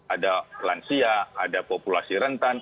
ada lansia ada populasi rentan